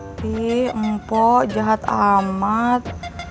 tapi mpo jahat amat